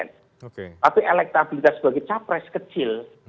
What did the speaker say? tapi elektabilitas sebagai capres kecil